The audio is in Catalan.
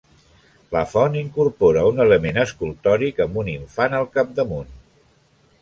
La font incorpora un element escultòric amb un infant al capdamunt.